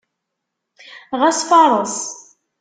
Ɣas fareṣ.